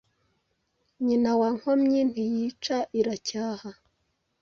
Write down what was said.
Nyina wa nkomyi Ntiyica ,iracyaha,